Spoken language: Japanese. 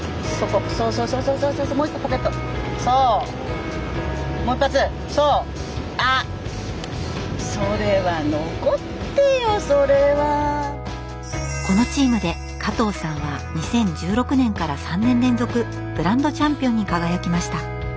このチームで加藤さんは２０１６年から３年連続グランドチャンピオンに輝きました。